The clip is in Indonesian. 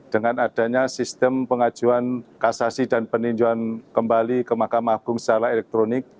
dengan adanya sistem pengajuan kasasi dan peninjauan kembali ke mahkamah agung secara elektronik